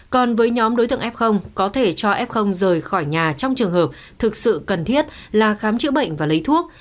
còn với nhóm đối tượng f có thể cho f rời khỏi nhà trong trường hợp thực sự cần thiết là khám chữa bệnh và lấy thuốc